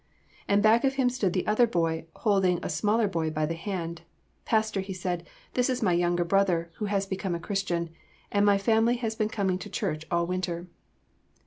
And back of him stood the other boy holding a smaller boy by the hand. "Pastor," he said, "this is my younger brother, who has become a Christian, and my father has been coming to church all winter."